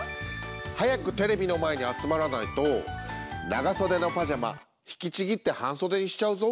早くテレビの前に集まらないと長袖のパジャマ引きちぎって半袖にしちゃうぞ！